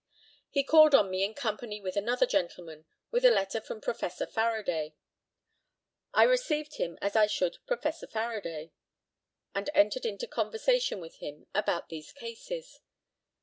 He called on me in company with another gentleman, with a letter from Professor Faraday. I received him as I should Professor Faraday, and entered into conversation with him about these cases.